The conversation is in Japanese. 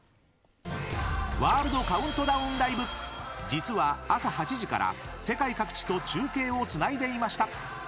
実は、朝８時から世界各地と中継をつないでいました。